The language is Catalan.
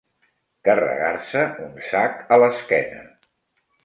Carregar-se un sac a l'esquena.